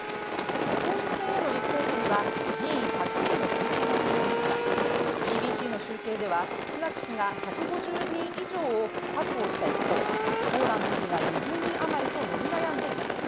党首選への立候補には議員１００人の推薦が必要ですが、ＢＢＣの集計ではスナク氏が１５０人以上を確保した一方モーダント氏が２０人余りと伸び悩んでいます。